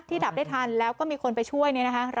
ที่ดับได้ทันแล้วก็มีคนไปช่วย